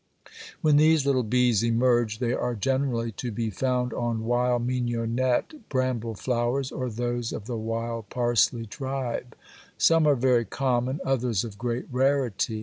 When these little bees emerge they are generally to be found on wild mignonette, bramble flowers or those of the wild parsley tribe. Some are very common, others of great rarity.